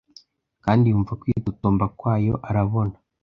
Kandi yumva kwitotomba kwayo; arabona